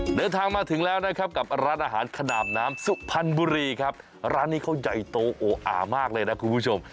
เดินทางมาถึงแล้วนะครับกับร้านอาหารขนาบน้ำสุพรรณบุรีครับร้านนี้เขาใหญ่โตโออ่ามากเลยนะคุณผู้ชม